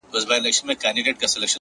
خلوت پر شخصيت د عبادت له مينې ژاړي!